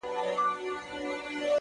o د غلا په جرم به پاچاصاب محترم نیسې؛